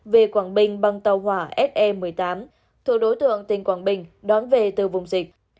về quảng bình bằng tàu hỏa se một mươi tám thuộc đối tượng tỉnh quảng bình đón về từ vùng dịch